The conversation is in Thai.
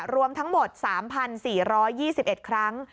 รวมทั้งหมด๓๔๒๑ครั้ง